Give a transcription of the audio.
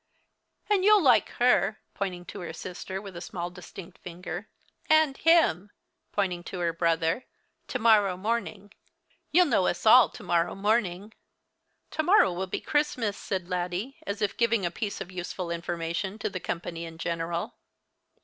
"And you'll like her," pointing to her sister with a small distinct finger, "and him," pointing to her brother, "to morrow morning. You'll know us all to morrow morning." "To morrow will be Christmas," said Laddie, as if giving a piece of useful information to the company in general.